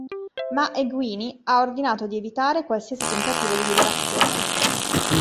Ma Egwene ha ordinato di evitare qualsiasi tentativo di liberazione.